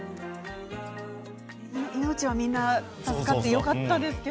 命はみんな助かってよかったですけど。